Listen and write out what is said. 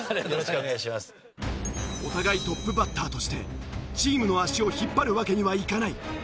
お互いトップバッターとしてチームの足を引っ張るわけにはいかない。